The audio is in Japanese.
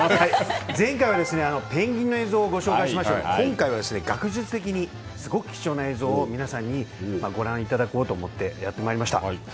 前回はペンギンの映像をご紹介しましたが今回は学術的にすごく貴重な映像を皆さんにご覧いただこうと思ってやってまいりました。